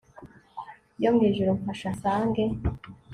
yo mwijuru mfasha nsange